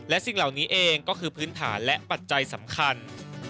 และสิ่งเหล่านี้เองก็คือพื้นฐานและปัจจัยสำคัญ